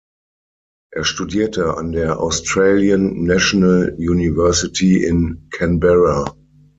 Er studierte an der Australian National University in Canberra.